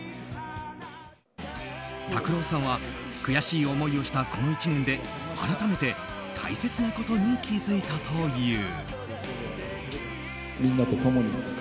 ＴＡＫＵＲＯさんは悔しい思いをしたこの１年で改めて大切なことに気づいたという。